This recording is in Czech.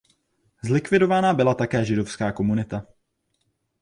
Zlikvidována byla také židovská komunita.